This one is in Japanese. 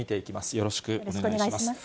よろしくお願いします。